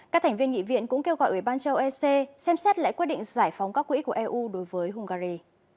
các thành viên nghị viện cũng kêu gọi ủy ban châu ec xem xét lại quyết định giải phóng các quỹ của eu đối với hungary